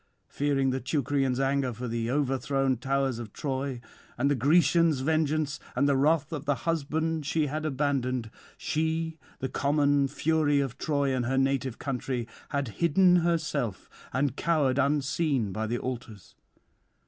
Fearing the Teucrians' anger for the overthrown towers of Troy, and the Grecians' vengeance and the wrath of the husband she had abandoned, she, the common Fury of Troy and her native country, had hidden herself and cowered unseen by the altars.